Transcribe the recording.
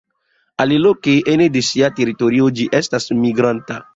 Aliloke ene de sia teritorio ĝi estas migranta.